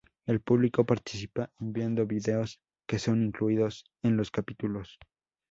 El público participa enviando videos que son incluidos en los capítulos.